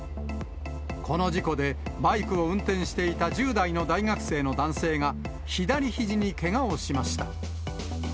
この事故でバイクを運転していた１０代の大学生の男性が、左ひじにけがをしました。